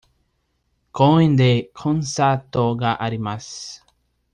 公園でコンサートがあります。